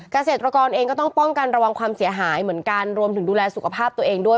เกษตรกรเองก็ต้องป้องกันระวังความเสียหายเหมือนกันรวมถึงดูแลสุขภาพตัวเองด้วย